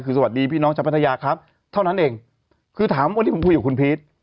คือสวัสดีพี่น้องชาวพัทยาครับเท่านั้นเองคือถามวันนี้ผมคุยกับคุณพีช